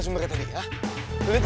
tidak bisa diberi